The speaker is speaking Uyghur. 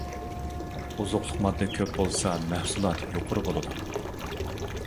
ئوزۇقلۇق ماددا كۆپ بولسا مەھسۇلات يۇقىرى بولىدۇ.